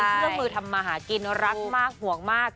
เครื่องมือทำมาหากินรักมากห่วงมาก